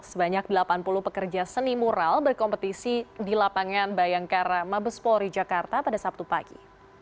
sebanyak delapan puluh pekerja seni mural berkompetisi di lapangan bayangkara mabes polri jakarta pada sabtu pagi